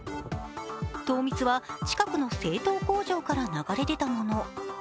糖蜜は近くの製糖工場から流れ出たもの。